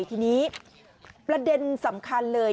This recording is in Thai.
ทีนี้ประเด็นสำคัญเลย